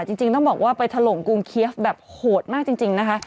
จริงต้องบอกว่าไปถล่มกรุงเคียฟแบบโหดมากจริงนะคะ